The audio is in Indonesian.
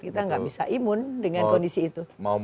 kita nggak bisa imun dengan kondisi itu